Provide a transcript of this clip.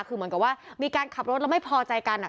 คือเหมือนกับว่ามีการขับรถแล้วไม่พอใจกัน